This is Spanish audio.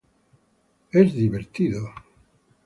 It's fun!